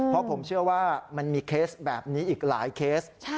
เพราะผมเชื่อว่ามันมีเคสแบบนี้อีกหลายเคส